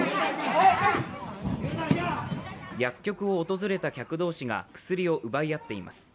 薬局を訪れた客同士が薬を奪い合っています。